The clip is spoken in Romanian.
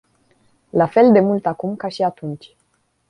La fel de mult acum ca și atunci.